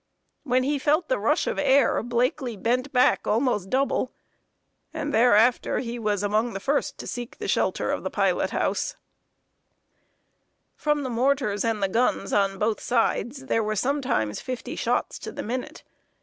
When he felt the rush of air, Blakely bent back almost double, and thereafter he was among the first to seek the shelter of the pilot house. [Sidenote: FIFTY SHOTS TO THE MINUTE.] From the mortars and the guns on both sides, there were sometimes fifty shots to the minute.